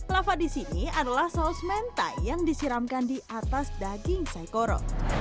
lava di sini adalah saus mentai yang disiramkan di atas daging saikoro